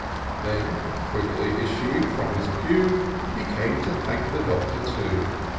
Then quickly issuing from his pew. He came to thank the Doctor too.